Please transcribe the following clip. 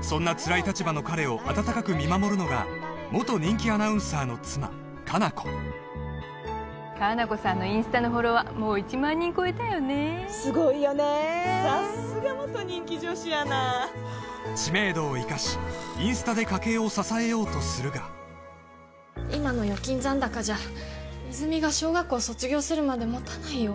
そんなつらい立場の彼を温かく見守るのが元人気アナウンサーの妻果奈子果奈子さんのインスタのフォロワーもう１万人超えたよねえすごいよねえさっすが元人気女子アナ知名度を生かしインスタで家計を支えようとするが今の預金残高じゃ泉実が小学校卒業するまでもたないよ